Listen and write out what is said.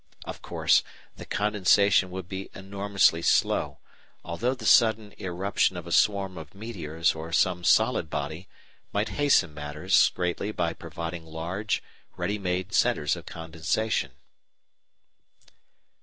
Of course the condensation would be enormously slow, although the sudden irruption of a swarm of meteors or some solid body might hasten matters greatly by providing large, ready made centres of condensation.